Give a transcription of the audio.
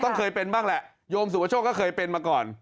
เคยเป็นบ้างแหละโยมสุปโชคก็เคยเป็นมาก่อน